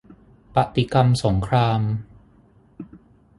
ปฏิกรรมสงคราม